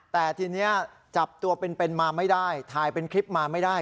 แต่ทีนี้จับตัวเป็นมาไม่ได้ถ่ายเป็นคลิปมาไม่ได้